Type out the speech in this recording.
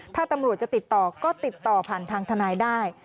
ถ้าตำรวจจะติดต่อก็ติดต่อผ่านทางทนายได้